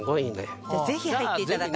ぜひ入って頂き。